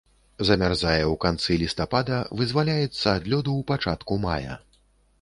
Замярзае ў канцы лістапада, вызваляецца ад лёду ў пачатку мая.